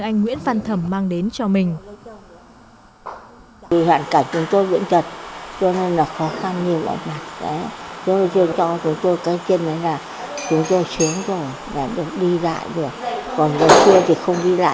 anh nguyễn phan thẩm mang đến cho mình